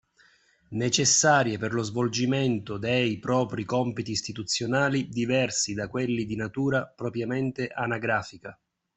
Necessarie per lo svolgimento dei propri compiti istituzionali diversi da quelli di natura propriamente anagrafica